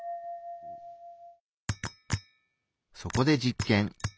そこで実験。